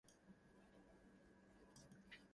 'You won’t believe me, then?’ said Catherine.